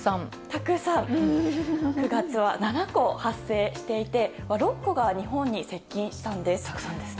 たくさん９月は７個発生していて６個が日本に接近したんです。